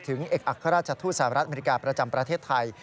เอกอัครราชทูตสหรัฐอเมริกาประจำประเทศไทย